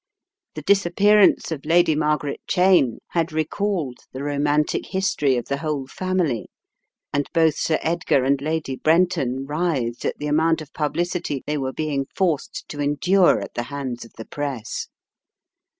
The disappearance of Lady Margaret Cheyne had recalled the romantic history of the whole family, and both Sir Edgar and Lady Brenton writhed at the amount of publicity they were being forced to endure at the hands of the press.